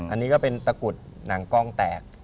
อันนี้ก็เป็นตะกุดหนังกล้องแตก